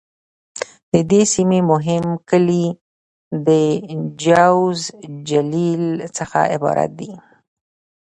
د دې سیمې مهم کلي د: جوز، جلیل..څخه عبارت دي.